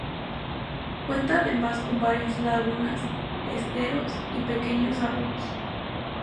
Cuenta además con varias lagunas, esteros y pequeños arroyos.